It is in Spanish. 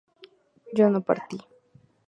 yo no partí